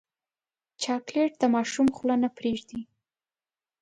چاکلېټ د ماشوم خوله نه پرېږدي.